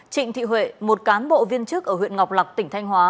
trịnh thị huệ một cán bộ viên chức ở huyện ngọc lạc tỉnh thanh hóa